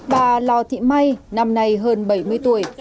bà lò thị may năm nay hơn bảy mươi tuổi